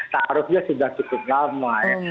seharusnya sudah cukup lama ya